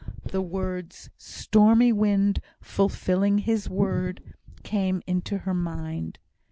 The words "stormy wind fulfilling His word" came into her mind.